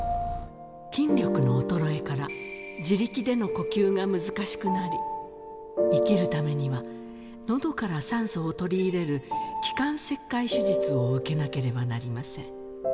筋力の衰えから自力での呼吸が難しくなり、生きるためにはのどから酸素を取り入れる気管切開手術を受けなければなりません。